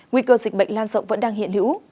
nhiều dịch bệnh lan rộng vẫn đang hiện hữu